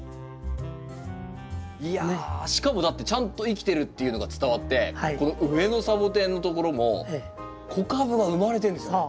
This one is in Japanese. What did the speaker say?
いやしかもだってちゃんと生きてるっていうのが伝わってこの上のサボテンのところも子株が生まれてるんですよね。